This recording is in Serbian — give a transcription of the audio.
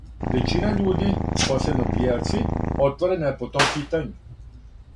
Већина људи, посебно бијелци, отворена је по том питању.